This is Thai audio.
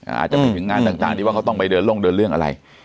อาจจะไปถึงงานต่างที่ว่าเขาต้องไปเดินลงเดินเรื่องอะไร